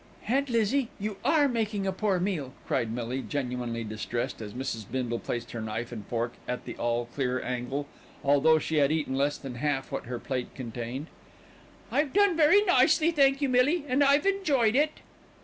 "Aunt Lizzie, you are making a poor meal," cried Millie, genuinely distressed, as Mrs. Bindle placed her knife and fork at the "all clear" angle, although she had eaten less than half what her plate contained. "I've done very nicely, thank you, Millie, and I've enjoyed it."